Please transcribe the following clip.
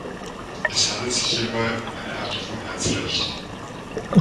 Es handelt sich hierbei um eine Art Gewohnheitsrecht.